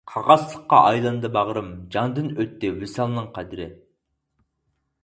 قاقاسلىققا ئايلاندى باغرىم، جاندىن ئۆتتى ۋىسالنىڭ قەدرى.